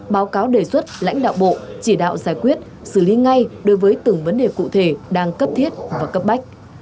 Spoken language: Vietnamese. báo cáo đề xuất lãnh đạo bộ chỉ đạo giải quyết xử lý ngay đối với từng vấn đề cụ thể đang cấp thiết và cấp bách